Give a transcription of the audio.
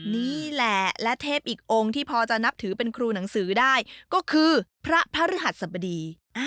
นี่แหละและเทพอีกองค์ที่พอจะนับถือเป็นครูหนังสือได้ก็คือพระพระฤหัสสบดี